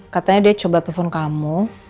katanya dia coba telepon kamu